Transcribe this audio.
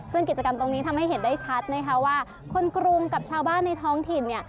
ซึ่งกิจกรรมตรงนี้ทำให้เห็นได้ชัดนะคะว่าคนกรุงกับชาวบ้านในท้องถิ่นเนี่ย